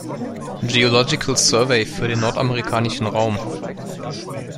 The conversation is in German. Geological Survey für den nordamerikanischen Raum.